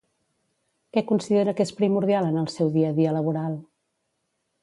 Què considera que és primordial en el seu dia a dia laboral?